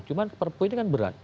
cuma perpu ini kan berat